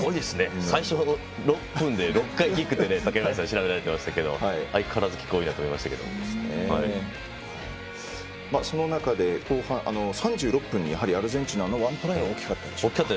最初、６分で６回キックって竹林さん、調べられてましたがその中で３６分にアルゼンチンの１トライは大きかったですね。